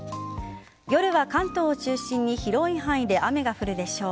夜は関東を中心に広い範囲で雨が降るでしょう。